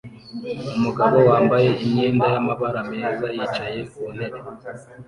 Umugabo wambaye imyenda yamabara meza yicaye ku ntebe